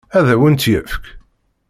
Ad awen-tt-yefk?